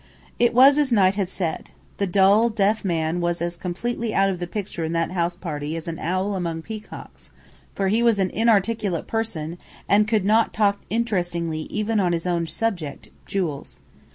It was as Knight had said: the dull, deaf man was as completely out of the picture in that house party as an owl among peacocks; for he was an inarticulate person and could not talk interestingly even on his own subject, jewels.